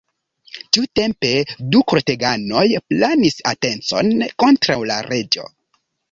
Tiutempe du korteganoj planis atencon kontraŭ la reĝo.